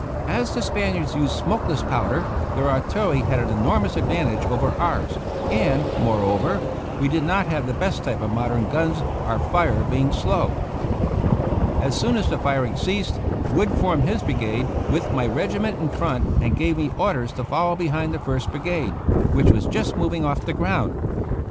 As the Spaniards used smokeless powder, their artil lery had an enormous advantage over ours, and, moreover, we did not have the best type of mod ern guns, our fire being slow. As soon as the firing ceased. Wood formed his brigade, with my regiment in front, and gave me orders to follow behind the First Brigade, which was just moving off the ground.